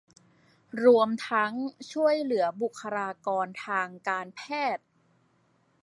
รวมทั้งช่วยเหลือบุคคลากรทางการแพทย์